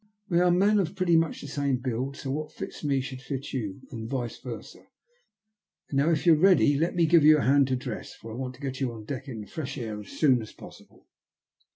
We are men of pretty much the same build, so what fits me should fit you, and vice vend. Now, if you're ready, let me give you a hand to dress, for I want to get you on deck into the fresh air as soon as possible."